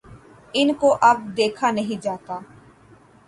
ان کو اب دیکھا نہیں جاتا۔